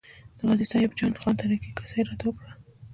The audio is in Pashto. د غازي صاحب جان خان تره کې کیسه یې راته وکړه.